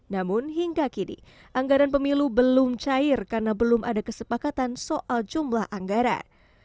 namun hingga kini anggaran pemilu belum cair karena belum ada kesepakatan soal jumlah anggaran